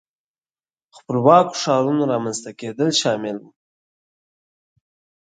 خپلواکو ښارونو رامنځته کېدل شامل وو.